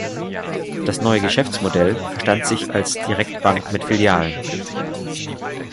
Das neue Geschäftsmodell verstand sich als Direktbank mit Filialen.